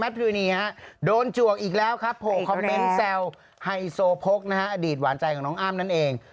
ซึ่งแซวไฮโซโพกนะฮะอดีตหวานใจของน้องอ้ามนั่นเอง